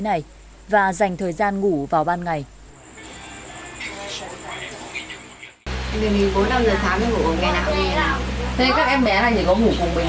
hãy đi ra làm tiếp